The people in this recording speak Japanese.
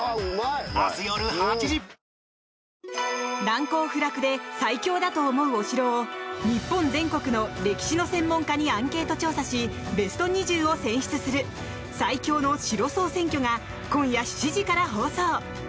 難攻不落で最強だと思うお城を日本全国の歴史の専門家にアンケート調査しベスト２０を選出する「最強の城総選挙」が今夜７時から放送！